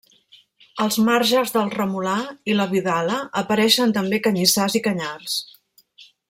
Als marges del Remolar i la Vidala apareixen també canyissars i canyars.